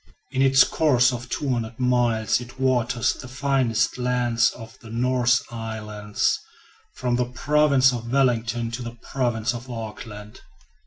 In its course of 200 miles it waters the finest lands of the North Island, from the province of Wellington to the province of Auckland.